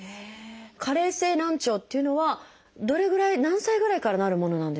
加齢性難聴っていうのはどれぐらい何歳ぐらいからなるものなんですか？